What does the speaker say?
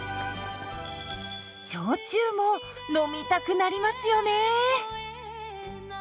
焼酎も飲みたくなりますよね！